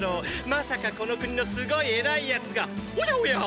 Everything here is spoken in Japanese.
まさかこの国のすごい偉い奴がおやおや！